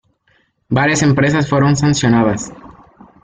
Varias empresas fueron sancionadas.